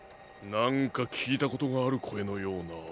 なんかきいたことがあるこえのような。